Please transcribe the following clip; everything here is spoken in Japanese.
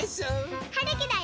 はるきだよ。